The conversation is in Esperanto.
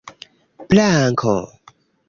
planko